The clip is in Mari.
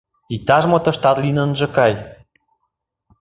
Иктаж-мо тыштат лийын ынже кай.